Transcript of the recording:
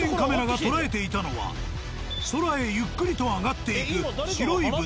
空へゆっくりと上がっていく。